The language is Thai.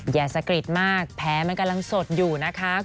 อย่าสะกริดมากแผลมันกำลังสดอยู่นะคะ